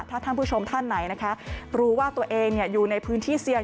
ถ้าท่านผู้ชมท่านไหนนะคะรู้ว่าตัวเองอยู่ในพื้นที่เสี่ยง